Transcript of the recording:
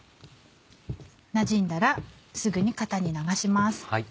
なじんだらすぐに型に流します。